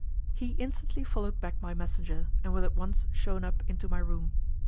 He instantly followed back my messenger, and was at once shown up into my room.